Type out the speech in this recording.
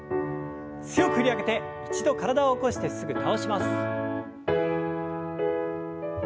強く振り上げて一度体を起こしてすぐ倒します。